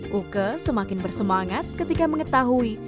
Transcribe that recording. punya pebuluran kalau pix gaan masuk keinstruman